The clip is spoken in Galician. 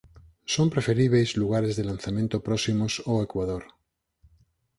Son preferíbeis lugares de lanzamento próximos ao ecuador.